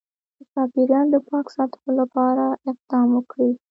د چاپیریال د پاک ساتلو لپاره اقدام وکړي